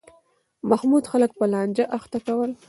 محمود خلک په لانجه اخته کول.